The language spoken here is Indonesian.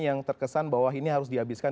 yang terkesan bahwa ini harus dihabiskan